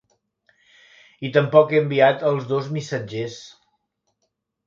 I tampoc he enviat els dos missatgers.